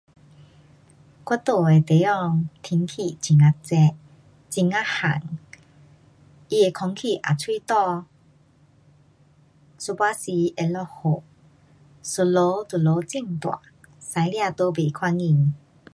我住的地方天气很呀热。很呀烘，它的空气也蛮干，有半时会落雨，一落就落很大。驾车都甭看见。